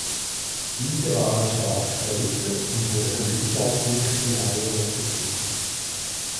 Diese waren stark verwittert und wurden bislang nicht genauer untersucht.